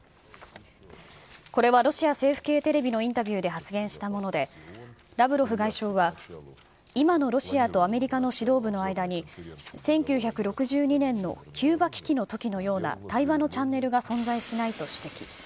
これはロシア政府系テレビのインタビューで発言したもので、ラブロフ外相は、今のロシアとアメリカの指導部の間に、１９６２年のキューバ危機のときのような対話のチャンネルが存在しないと指摘。